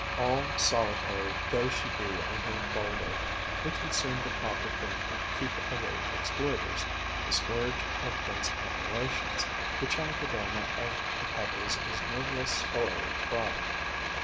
All solitary though she be on her boulder, which would seem the proper thing to keep away exploiters, the scourge of dense populations, the Chalicodoma of the Pebbles is no less sorely tried.